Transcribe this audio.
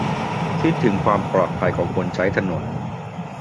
-คิดถึงความปลอดภัยของคนใช้ถนน